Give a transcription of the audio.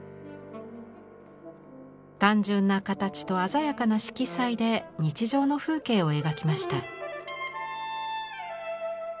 単純な形と鮮やかな色彩で日常の風景を描きました。